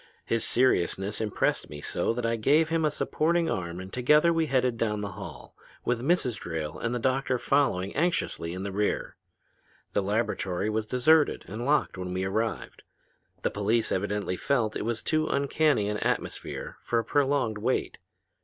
His seriousness impressed me so that I gave him a supporting arm and together we headed down the hall, with Mrs. Drayle and the doctor following anxiously in the rear. The laboratory was deserted and locked when we arrived. The police evidently felt it was too uncanny an atmosphere for a prolonged wait.